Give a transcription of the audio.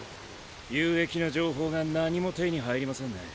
有益な情報が何も手に入りませんね。